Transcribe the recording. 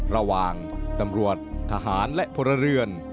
ระหว่างตำรวจทหารและพลเรือน